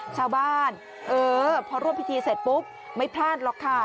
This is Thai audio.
ชาวบ้านเออพอร่วมพิธีเสร็จปุ๊บไม่พลาดหรอกค่ะ